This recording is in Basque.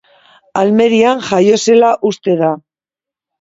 Almerian jaio zela uste da.